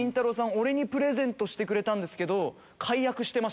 俺にプレゼントしてくれたけど。